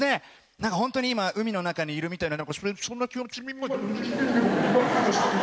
なんか本当に今、海の中にいるみたいな、そんな気持ちに。